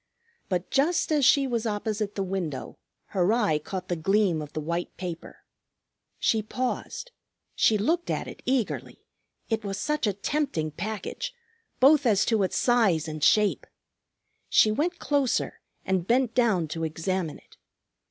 But just as she was opposite the window, her eye caught the gleam of the white paper. She paused. She looked at it eagerly; it was such a tempting package, both as to its size and shape! She went closer and bent down to examine it.